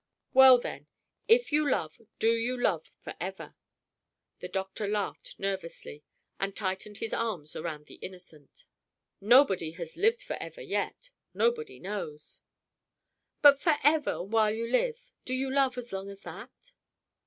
"Well, then, if you love, do you love forever?" The doctor laughed nervously and tightened his arms around the innocent. "Nobody has lived forever yet nobody knows!" "But forever while you live do you love as long as that?"